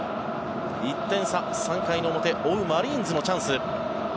１点差、３回の表追うマリーンズのチャンス。